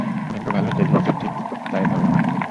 ভাগ্য ভালো যে রিজও ঠিক তাই ভাবে আমাকে!